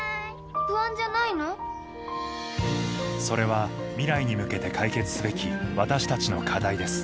それは未来に向けて解決すべき私たちの課題です